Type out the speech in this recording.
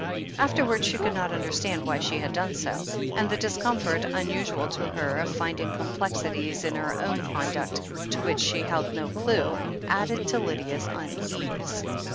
Afterwards she could not understand why she had done so, and the discomfort, unusual to her, of finding complexities in her own conduct to which she held no clue, added to Lydia's unease.